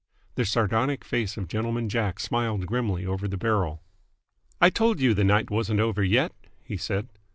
The sardonic face of Gentleman Jack smiled grimly over the barrel. "I told you the night wasn't over yet!" he said.